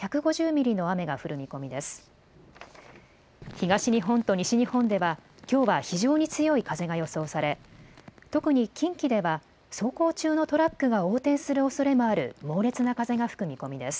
東日本と西日本ではきょうは非常に強い風が予想され特に近畿では走行中のトラックが横転するおそれもある猛烈な風が吹く見込みです。